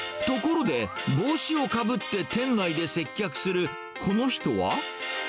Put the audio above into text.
ところで、帽子をかぶって店内で接客するこの人は？